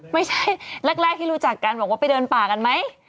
ไม่ใช่แรกที่รู้จักกันบอกว่าไปเดินป่ากันไหม